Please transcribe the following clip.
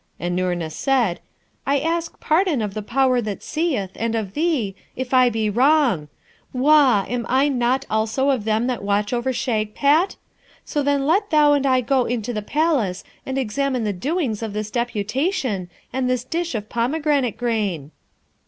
And Noorna said, 'I ask pardon of the Power that seeth, and of thee, if I be wrong. Wah! am I not also of them that watch over Shagpat? So then let thou and I go into the palace and examine the doings of this deputation and this dish of pomegranate grain.'